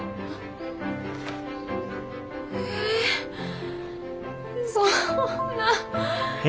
えそんな。